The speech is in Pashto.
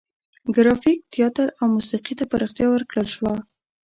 ګرافیک، تیاتر او موسیقي ته پراختیا ورکړل شوه.